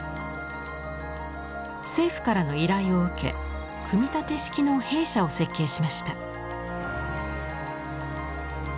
政府からの依頼を受け組み立て式の兵舎を設計しました。